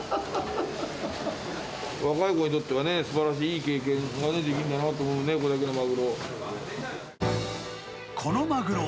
若い子にとってはね、すばらしいいい経験ができるんだなぁと思うね、これだけのマグロ。